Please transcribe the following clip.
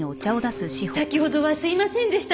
先ほどはすいませんでした。